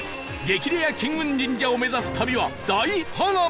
激レア金運神社を目指す旅は大波乱！